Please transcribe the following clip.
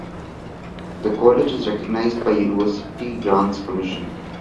The college is recognized by University Grants Commission.